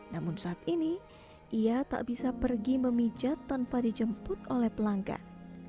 namun saat ini ia tak bisa pergi memijat tanpa dijemput oleh pelanggan